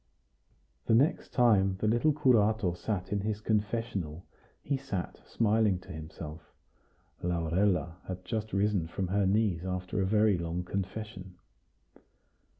The next time the little curato sat in his confessional, he sat smiling to himself. Laurella had just risen from her knees after a very long confession.